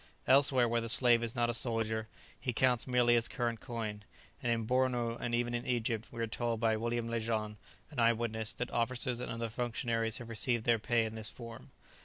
Elsewhere, where the slave is not a soldier, he counts merely as current coin; and in Bornu and even in Egypt, we are told by William Lejean, an eye witness, that officers and other functionaries have received their pay in this form.